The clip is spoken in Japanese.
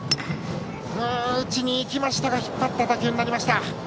打ちに行きましたが引っ張った打球になりました。